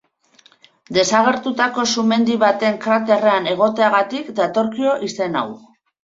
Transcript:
Desagertutako sumendi baten kraterrean egoteagatik datorkio izen hau.